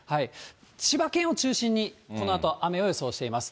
千葉県を中心にこのあと雨を予想しています。